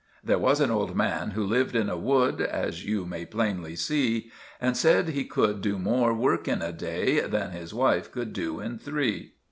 "'There was an old man who lived in a wood As you may plainly see, And said he could do more work in a day Than his wife could do in three.